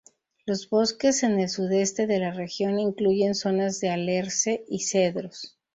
Los bosques en el sudeste de la región incluyen zonas de alerce y cedros.